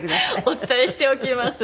お伝えしておきます。